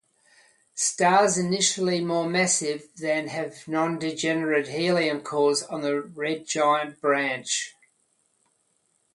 Stars initially more massive than have non-degenerate helium cores on the red-giant branch.